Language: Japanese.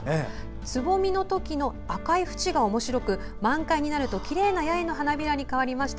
つぼみのときの赤い縁がおもしろく、満開になるときれいな八重の花びらに変わりました。